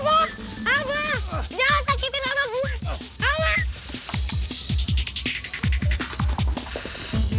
jadi harus masuk kamar kamu